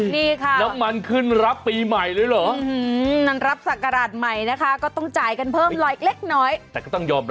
น้ำมันขึ้นรับปีใหม่เลยเหรอ